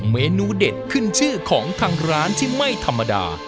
เมนูเด็ดขึ้นชื่อของทางร้านที่ไม่ธรรมดา